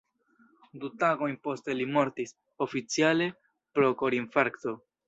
Du tagojn poste li mortis, oficiale pro korinfarkto.